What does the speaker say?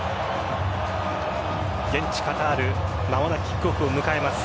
現地・カタール間もなくキックオフを迎えます。